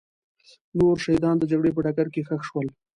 نور شهیدان د جګړې په ډګر کې ښخ شول.